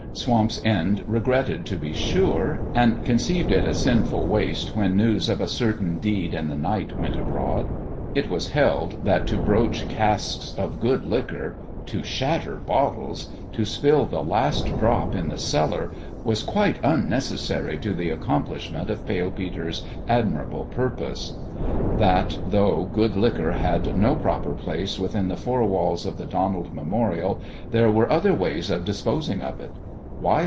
Swamp's End regretted, to be sure, and conceived it a sinful waste, when news of a certain deed in the night went abroad. It was held that to broach casks of good liquor to shatter bottles to spill the last drop in the cellar was quite unnecessary to the accomplish ment of Pale Peter's admirable purpose : that though good liquor had no proper place within the four walls of the Donald Memorial there were other ways of disposing of it.